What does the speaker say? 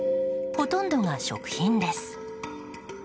ほとんどが食品です。